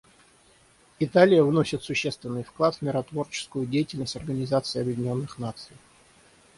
Италия вносит существенный вклад в миротворческую деятельность Организации Объединенных Наций.